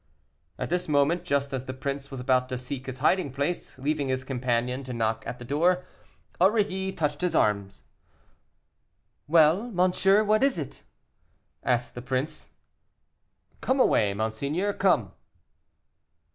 At this moment, just as the prince was about to seek his hiding place, leaving his companion to knock at the door, Aurilly touched his arm. "Well, monsieur, what is it?" asked the prince. "Come away, monseigneur, come."